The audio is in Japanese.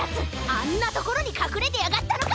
あんなところにかくれてやがったのか！